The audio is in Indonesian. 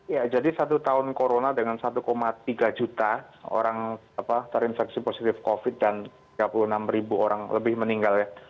ya jadi satu tahun corona dengan satu tiga juta orang terinfeksi positif covid dan tiga puluh enam ribu orang lebih meninggal ya